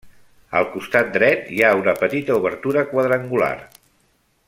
Al costat dret hi ha una petita obertura quadrangular.